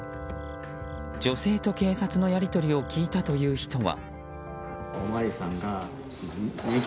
女性と警察のやり取りを聞いたという人は。